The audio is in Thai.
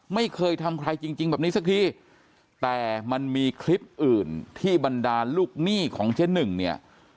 ไม่เคยทำใครจริงจริงแบบนี้สักทีแต่มันมีคลิปอื่นที่บรรดาลูกหนี้ของเจ๊หนึ่งเนี่ย